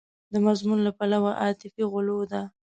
د مضمون له پلوه عاطفي غلوه ده.